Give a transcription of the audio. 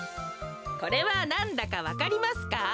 これはなんだかわかりますか？